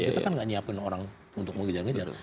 kita kan gak nyiapin orang untuk ngejar ngejar